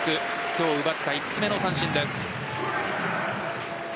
今日奪った５つ目の三振です。